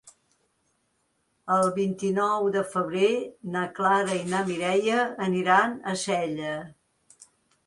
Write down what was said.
El vint-i-nou de febrer na Clara i na Mireia aniran a Sella.